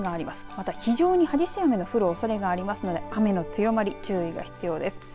また非常に激しい雨の降るおそれがありますので雨の強まり、注意が必要です。